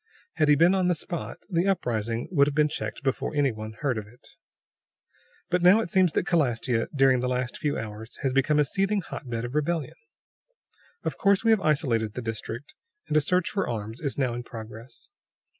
Had he been on the spot, the uprising would have been checked before any one heard of it. "But it now seems that Calastia, during the last few hours, has become a seething hotbed of rebellion. Of course, we have isolated the district, and a search for arms is now in progress.